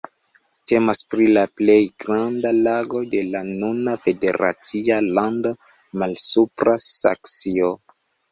Temas pri la plej granda lago de la nuna federacia lando Malsupra Saksio.